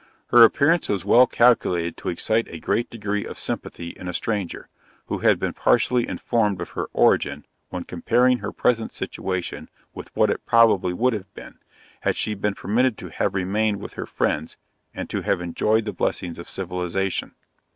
Her appearance was well calculated to excite a great degree of sympathy in a stranger, who had been partially informed of her origin, when comparing her present situation with what it probably would have been, had she been permitted to have remained with her friends, and to have enjoyed the blessings of civilization.